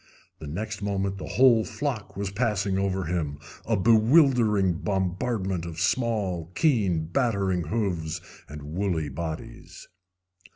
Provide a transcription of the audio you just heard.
The next moment the whole flock was passing over him, a bewildering bombardment of small, keen, battering hoofs and woolly bodies.